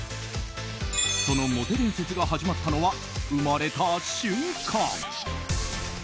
そのモテ伝説が始まったのは生まれた瞬間。